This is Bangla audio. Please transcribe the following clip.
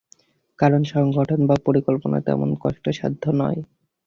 কারণ সংগঠন বা পরিকল্পনা তেমন কষ্টসাধ্য নয়।